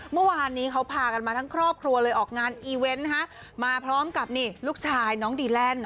เมื่อวานนี้เขาพากันมาทั้งครอบครัวเลยออกงานอีเวนต์มาพร้อมกับนี่ลูกชายน้องดีแลนด์